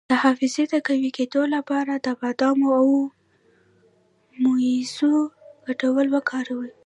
د حافظې د قوي کیدو لپاره د بادام او مویزو ګډول وکاروئ